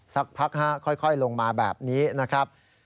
สักพักค่อยลงมาแบบนี้นะครับ